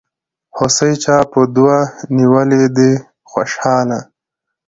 هوسۍ چا په دو نيولې دي خوشحاله